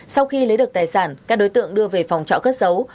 sau khi lấy được tài sản các đối tượng đưa về phòng trọ khất giấu